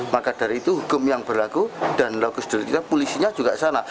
maka dari itu hukum yang berlaku dan lokus identitas polisinya juga sana